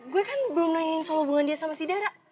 gue kan belum nanyain soal hubungan dia sama si darah